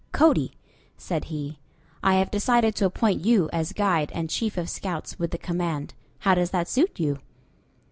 "Cody," said he, "I have decided to appoint you as guide and chief of scouts with the command. How does that suit you?"